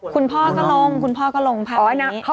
คุณพ่อก็ลงคุณพ่อก็ลงพัก